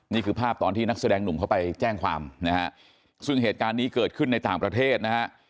นี่คือภาพตอนที่นักแสดงหนุ่มเข้าไปแจ้งความนะฮะซึ่งเหตุการณ์นี้เกิดขึ้นในต่างประเทศนะฮะ